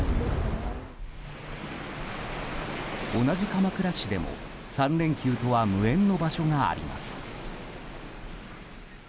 同じ鎌倉市でも３連休とは無縁の場所があります。